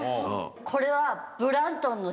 これは。